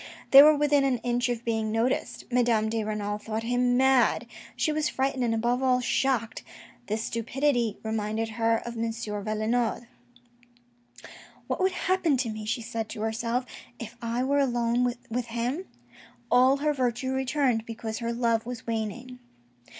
They were within an inch of being noticed. Madame de Renal thought him mad. She was frightened, and above all, shocked. This stupidity reminded her of M. Valenod. " What would happen to me," she said to herself, " if I were alone with him ?" All her virtue returned, because her love was waning.